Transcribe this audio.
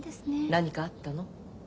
何かあったの？